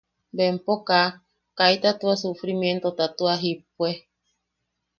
Bempo kaa... kaita tua sufrimientota tua jippue.